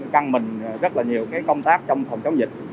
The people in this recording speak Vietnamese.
căng mình rất là nhiều công tác trong phòng chống dịch